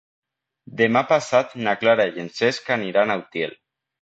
Demà passat na Clara i en Cesc aniran a Utiel.